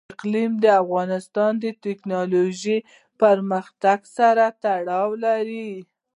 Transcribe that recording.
اقلیم د افغانستان د تکنالوژۍ پرمختګ سره تړاو لري.